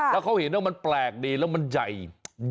แล้วเขาเห็นว่ามันแปลกดีแล้วมันใหญ่